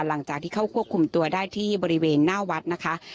หลังจากที่เข้าควบคุมตัวได้ที่บริเวณหน้าวัดนะคะ